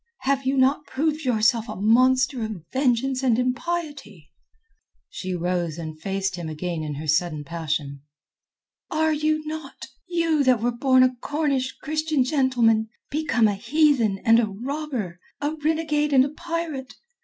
Have you not proved yourself a monster of vengeance and impiety?" She rose and faced him again in her sudden passion. "Are you not—you that were born a Cornish Christian gentleman—become a heathen and a robber, a renegade and a pirate?